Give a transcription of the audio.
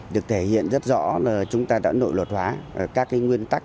được thể hiện rất rõ là chúng ta đã nội luật hóa các nguyên tắc